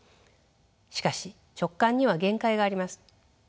しかし直観には限界があります。